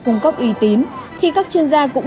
càng ít thành phần dinh dưỡng